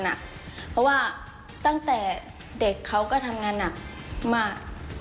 เพราะว่าตั้งแต่เด็กเขาก็ทำงานหนักมาก